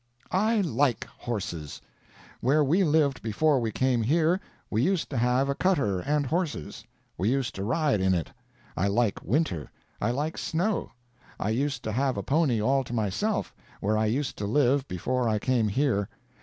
"I like horses. Where we lived before we came here, we used to have a cutter and horses. We used to ride in it. I like winter. I like snow. I used to have a pony all to myself, where I used to live before I came here.